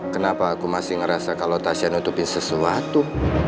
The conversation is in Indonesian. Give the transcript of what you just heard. kenapa aku masih ngerasa kalau tasya nutupin sesuatu